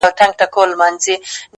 تا د جنگ لويه فلـسفه ماتــه كــړه _